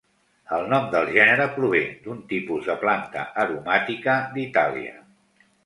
El nom del gènere prové d'un tipus de planta aromàtica d'Itàlia.